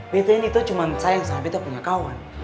betain itu cuma sayang saat bete punya kawan